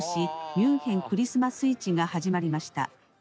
ミュンヘン・クリスマス市が始まりました」。